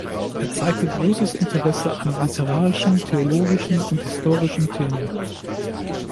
Er zeigte großes Interesse an literarischen, theologischen und historischen Themen.